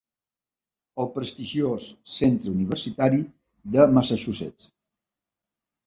El prestigiós centre universitari de Massachussetts.